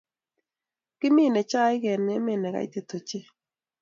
Kimine chaik en Emet ne kaitit ochei